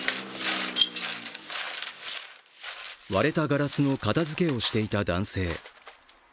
割れたガラスの片づけをしていた男性。